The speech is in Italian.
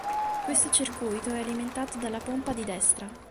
Questo circuito è alimentato dalla pompa di destra.